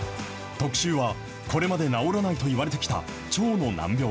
特集は、これまで治らないといわれてきた腸の難病。